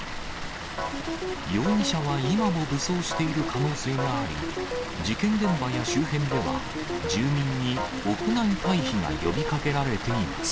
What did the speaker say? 容疑者は今も武装している可能性があり、事件現場や周辺では、住民に屋内退避が呼びかけられています。